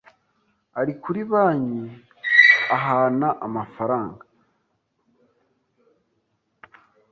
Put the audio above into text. Ari kuri banki ahana amafaranga.